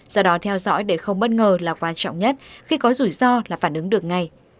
do đó theo dõi để không bất ngờ là quan trọng nhất khi có rủi ro là phản ứng được ngay